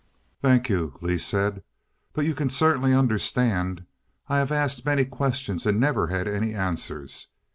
"Thank you," Lee said. "But you can certainly understand I have asked many questions and never had any answers.